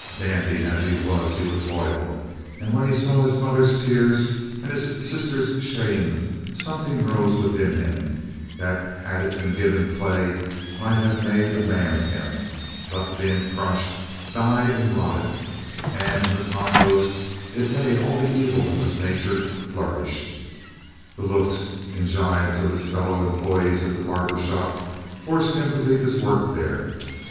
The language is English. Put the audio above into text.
Dandy as he was, he was loyal, and when he saw his mother's tears and his sister's shame, something rose within him that had it been given play might have made a man of him, but, being crushed, died and rotted, and in the compost it made all the evil of his nature flourished. The looks and gibes of his fellow employees at the barber shop forced him to leave his work there.